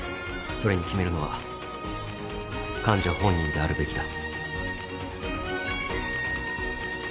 それに決めるのは患者本人であるべきだ。